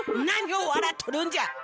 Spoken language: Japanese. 何をわらっとるんじゃ！